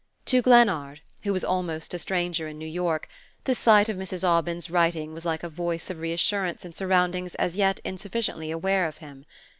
To Glennard, who was almost a stranger in New York, the sight of Mrs. Aubyn's writing was like a voice of reassurance in surroundings as yet insufficiently aware of him.